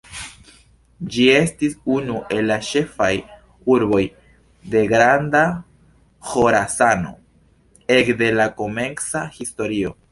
Ĝi estis unu el la ĉefaj urboj de Granda Ĥorasano, ekde la komenca historio.